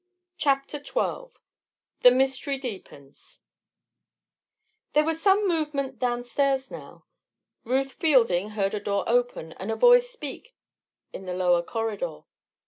CHAPTER XII THE MYSTERY DEEPENS There was some movement downstairs now. Ruth Fielding heard a door open and a voice speak in the lower corridor.